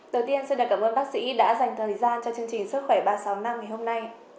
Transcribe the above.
đầu tiên xin cảm ơn bác sĩ đã dành thời gian cho chương trình sức khỏe ba sáu năm ngày hôm nay